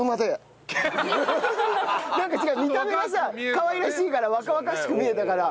見た目がさかわいらしいから若々しく見えたから。